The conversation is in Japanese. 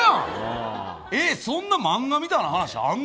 そんな漫画みたいな話あるの？